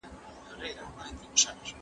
زموږ لویه غلطي څه ده؟